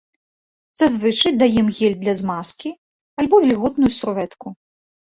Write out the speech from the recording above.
Зазвычай даем гель для змазкі альбо вільготную сурвэтку.